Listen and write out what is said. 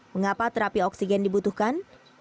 mengapa terapi oksigen dibutuhkan